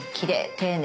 丁寧！